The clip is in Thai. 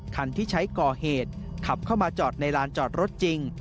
คันที่ใช้ก่อเหตุขับเข้ามาจอดในลานจอดรถจริง